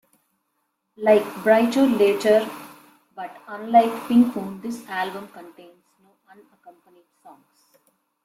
Like "Bryter Layter" but unlike "Pink Moon", this album contains no unaccompanied songs.